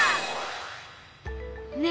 ねえ